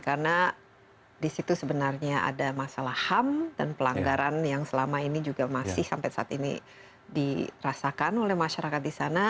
karena di situ sebenarnya ada masalah ham dan pelanggaran yang selama ini juga masih sampai saat ini dirasakan oleh masyarakat di sana